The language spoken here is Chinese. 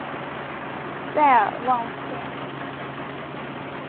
塞尔旺谢。